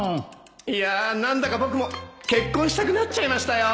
いやあ何だか僕も結婚したくなっちゃいましたよ